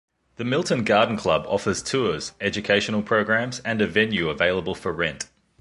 The Milton Garden Club offers Tours, educational Programs and a venue available for rent.